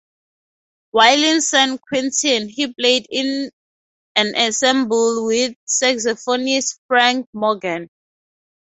While in San Quentin he played in an ensemble with saxophonist Frank Morgan.